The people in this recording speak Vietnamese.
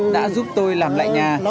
đã giúp tôi làm lại nhà